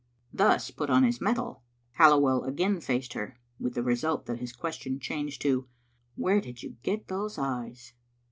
Thus put on his mettle, Halliwell again faced her, with the result that his question changed to " Where did you get those eyes?"